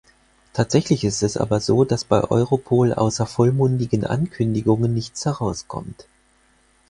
Tatsächlich ist es aber so, dass bei Europol außer vollmundigen Ankündigungen nichts herauskommt.